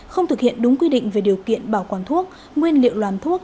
không thực hiện đúng quy định về điều kiện bảo quản thuốc nguyên liệu làm thuốc